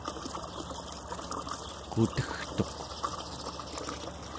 qutegtuq